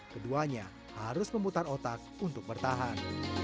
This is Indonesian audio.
keduanya harus memutar otak untuk bertahan